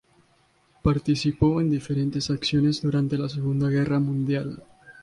Participó en diferentes acciones durante la Segunda Guerra Mundial.